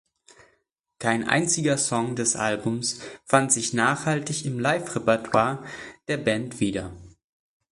Kein einziger Song des Albums fand sich nachhaltig im Live-Repertoire der Band wieder.